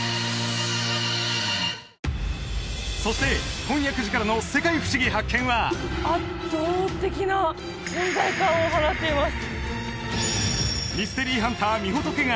そして今夜９時からの「世界ふしぎ発見！」は圧倒的な存在感を放っています